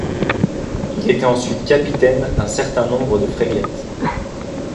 Il était ensuite capitaine d'un certain nombre de frégates.